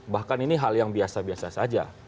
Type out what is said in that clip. bahkan ini hal yang biasa biasa saja